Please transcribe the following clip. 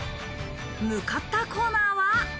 向かったコーナーは。